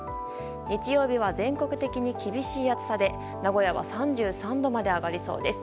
日曜日は全国的に厳しい暑さで名古屋は３３度まで上がりそうです。